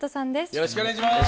よろしくお願いします。